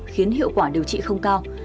khiến hiệu quả điều trị không cao